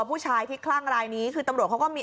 ผู้ชายที่คลั่งรายนี้คือตำรวจเขาก็มี